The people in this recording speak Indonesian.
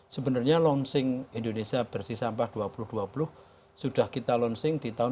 sebenarnya launching indonesia bersih sampah dua ribu dua puluh sudah kita launching di tahun dua ribu dua